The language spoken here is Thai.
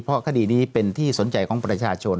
เพราะคดีนี้เป็นที่สนใจของประชาชน